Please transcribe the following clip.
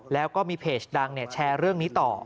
แล้วก็มีเพจดังแชร์เรื่องนี้ต่อ